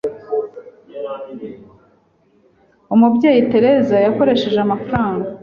Umubyeyi Teresa yakoresheje amafaranga